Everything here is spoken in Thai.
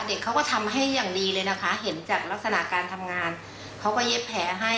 เด็กเขาก็ทำให้อย่างดีเลยนะคะเห็นจากลักษณะการทำงานเขาก็เย็บแผลให้